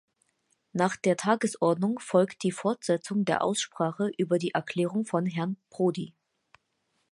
Nach der Tagesordnung folgt die Fortsetzung der Aussprache über die Erklärung von Herrn Prodi.